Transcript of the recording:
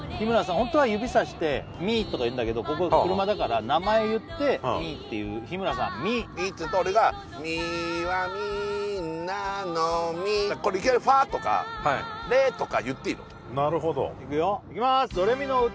ホントは指さして「ミ」とか言うんだけどここ車だから名前を言って「ミ」って言う日村さん「ミ」「ミ」って言ったら俺がミはみんなのミこれいきなり「ファ」とか「レ」とか言っていいのなるほどいくよ「ドレミの歌」